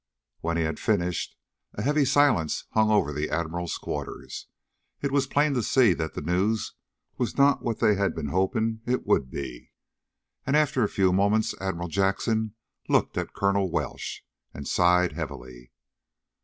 When he had finished a heavy silence hung over the Admiral's quarters. It was plain to see that the news was not what they had been hoping it would be. And after a few moments Admiral Jackson looked at Colonel Welsh, and sighed heavily.